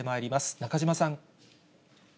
中島さん。